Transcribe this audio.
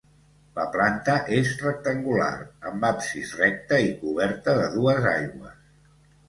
La planta és rectangular, amb absis recte i coberta de dues aigües.